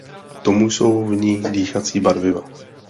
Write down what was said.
K tomu jsou v ní dýchací barviva.